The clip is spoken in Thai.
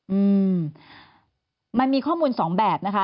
อืมมันมีข้อมูลสองแบบนะคะ